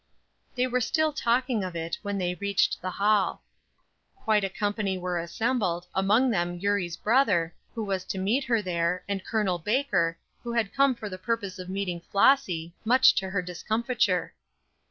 They were still talking of it when they reached the hall. Quite a company were assembled, among them Eurie's brother, who was to meet her there, and Col. Baker, who had come for the purpose of meeting Flossy, much to her discomfiture.